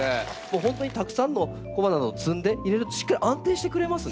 本当にたくさんの小花を積んで入れるとしっかり安定してくれますね。